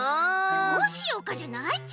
どうしようかじゃないち！